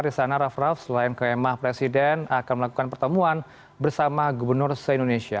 di sana raff raff selain kemah presiden akan melakukan pertemuan bersama gubernur se indonesia